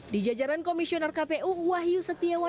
di jajaran komisioner kpu wahyu setiawan